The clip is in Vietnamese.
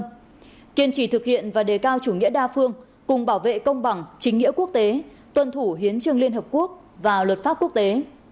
kiên trì thực hiện và đề cao chủ nghĩa đa phương cùng bảo vệ công bằng chính nghĩa quốc tế tuân thủ hiến trương liên hợp quốc và luật pháp quốc tế